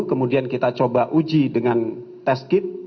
kemudian kita coba uji dengan tes kit